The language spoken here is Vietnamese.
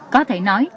có thể nói là